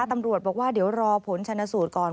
ตำรวจบอกว่าเดี๋ยวรอผลชนสูตรก่อน